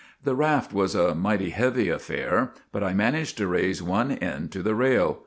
The raft was a mighty heavy affair, but I man aged to raise one end to the rail.